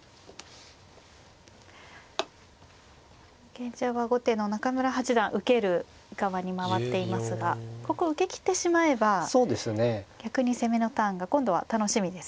現状は後手の中村八段受ける側に回っていますがここ受けきってしまえば逆に攻めのターンが今度は楽しみですよね。